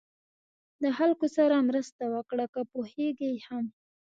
د خلکو سره مرسته وکړه که پوهېږئ هم.